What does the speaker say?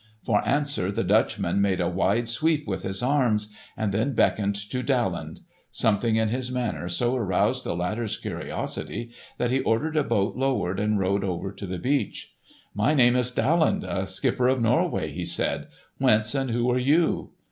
For answer, the Dutchman made a wide sweep with his arms and then beckoned to Daland. Something in his manner so aroused the latter's curiosity that he ordered a boat lowered and rowed over to the beach. "My name is Daland, a skipper of Norway," he said. "Whence and who are you?"